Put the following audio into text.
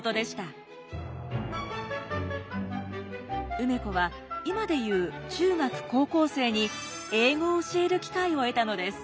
梅子は今で言う中学高校生に英語を教える機会を得たのです。